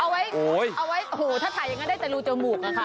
เอาไว้ถ้าถ่ายอย่างงั้นได้แต่รูจมูกค่ะ